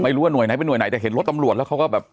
หรือว่าหน่วยไหนเป็นห่ไหนแต่เห็นรถตำรวจแล้วเขาก็แบบ